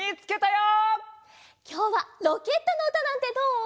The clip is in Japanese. きょうはロケットのうたなんてどう？